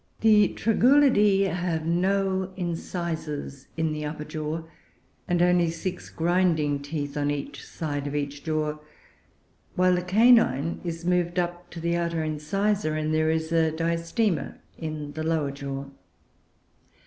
The Tragulidoe; have no incisors in the upper jaw, and only six grinding teeth on each side of each jaw; while the canine is moved up to the outer incisor, and there is a diastema in the lower jaw.